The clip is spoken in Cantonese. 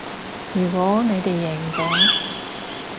如果你哋贏咗